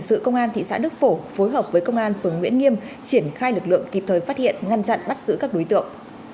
tổng cục quản lý thị trường nguyễn nghiêm triển khai lực lượng kịp thời phát hiện ngăn chặn bắt giữ các đối tượng